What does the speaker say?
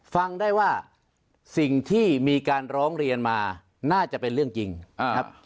ฟังได้ว่าสิ่งที่มีการร้องเรียนมาน่าจะเป็นเรื่องจริงครับ